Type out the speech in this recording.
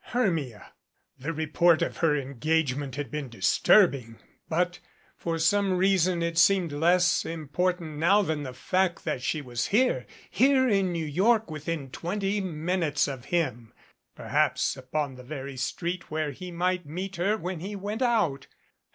Hermia the report of her engagement had been disturbing, but for some rea son it seemed less important now than the fact that she was here here in New York within twenty minutes of him perhaps, upon the very street where he might meet her when he went out.